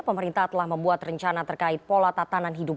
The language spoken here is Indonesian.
pemerintah telah membuat rencana terkait pola tatanan hidup